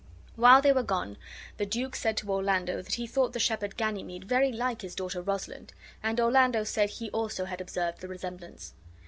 While they were gone, the duke said to Orlando that he thought the shepherd Ganymede very like his daughter Rosalind; and Orlando said he also had observed the resemblance.